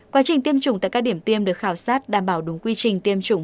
quá trình tiêm chủng tại các điểm tiêm được khảo sát đảm bảo đúng quy trình tiêm chủng